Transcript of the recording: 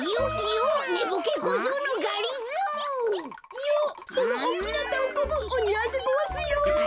いよそのおっきなたんこぶおにあいでごわすよ。